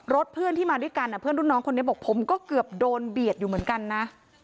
เพื่อนที่มาด้วยกันเพื่อนรุ่นน้องคนนี้บอกผมก็เกือบโดนเบียดอยู่เหมือนกันนะ